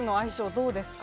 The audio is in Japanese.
どうですか？